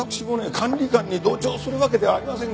管理官に同調するわけではありませんが。